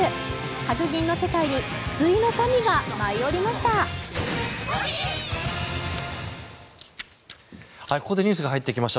白銀の世界に救いの神が舞い降りました。